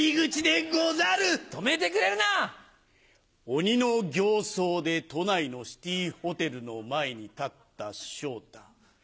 鬼の形相で都内のシティーホテルの前に立った昇太。